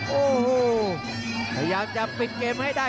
โอ้โหพยายามจะปิดเกมให้ได้